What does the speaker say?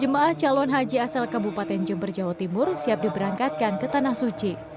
dua ribu enam belas jemaah calon haji asal kabupaten jember jawa timur siap diberangkatkan ke tanah suci